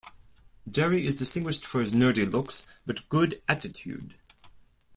Jerry is distinguished for his nerdy looks but good attitude.